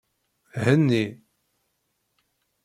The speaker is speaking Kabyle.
Henni.